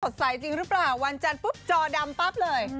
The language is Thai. ใสจริงหรือเปล่าวันจันทร์ปุ๊บจอดำปั๊บเลย